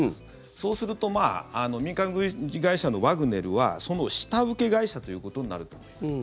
そうすると民間軍事会社のワグネルはその下請け会社ということになると思います。